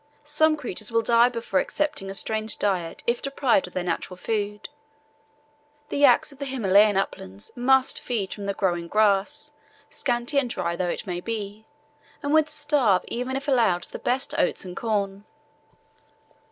Some creatures will die before accepting a strange diet if deprived of their natural food. The Yaks of the Himalayan uplands must feed from the growing grass, scanty and dry though it may be, and would starve even if allowed the best oats and corn.